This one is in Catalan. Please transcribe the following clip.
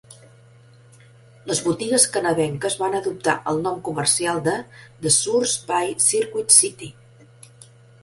Les botigues canadenques van adoptar el nom comercial de The Source by Circuit City.